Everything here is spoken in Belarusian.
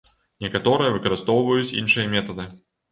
Некаторыя выкарыстоўваюць іншыя метады.